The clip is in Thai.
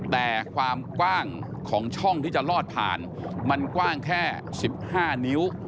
แต่ความกว้างของช่องที่จะลอดผ่านมันกว้างแค่๑๕นิ้ว